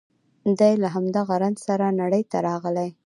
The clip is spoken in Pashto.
دی له همدغه رنځ سره نړۍ ته راغلی